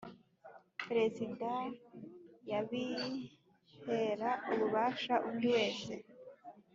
Perezida yabihera ububasha undi wese